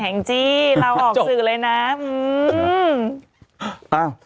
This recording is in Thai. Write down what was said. แหงจี้เราออกสื่อเลยนะ